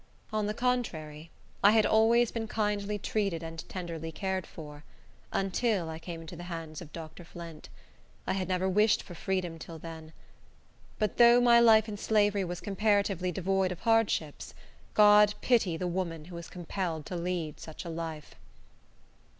On the contrary, I had always been kindly treated, and tenderly cared for, until I came into the hands of Dr. Flint. I had never wished for freedom till then. But though my life in slavery was comparatively devoid of hardships, God pity the woman who is compelled to lead such a life!